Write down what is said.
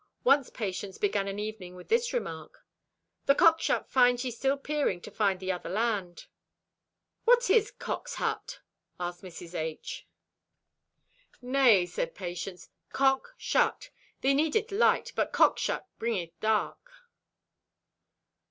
Once Patience began an evening with this remark: "The cockshut finds ye still peering to find the other land." "What is cock's hut?" asked Mrs. H. "Nay," said Patience, "Cock shut. Thee needeth light, but cockshut bringeth dark."